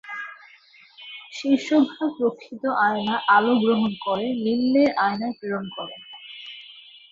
শীর্ষভাগে রক্ষিত আয়না আলো গ্রহণ করে নিম্নের আয়নায় প্রেরণ করে।